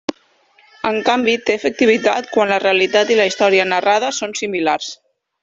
En canvi, té efectivitat quan la realitat i la història narrada són similars.